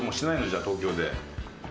じゃあ東京で。